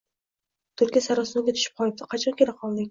Tulki sarosimaga tushib qolibdi: Qachon kela qolding?